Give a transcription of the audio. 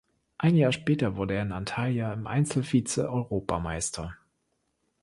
Ein Jahr später wurde er in Antalya im Einzel Vizeeuropameister.